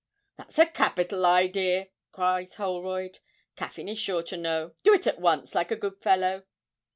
'That's a capital idea!' cried Holroyd. 'Caffyn is sure to know; do it at once, like a good fellow.'